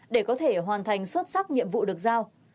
để có thể hoàn thành xuất sắc nhiệm vụ được giao